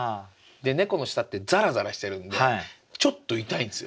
猫の舌ってザラザラしてるんでちょっと痛いんですよ。